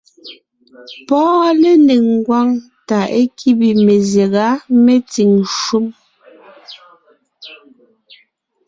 Pɔ́ɔn lénéŋ ngwáŋ tà é kíbe mezyága metsìŋ shúm.